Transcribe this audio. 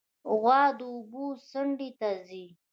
غوا د اوبو څنډې ته ځي.